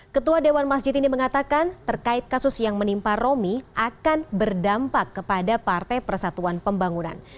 ketua dewan masjid ini mengatakan terkait kasus yang menimpa romi akan berdampak kepada partai persatuan pembangunan